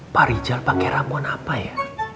pak rijal pakai ramuan apa ya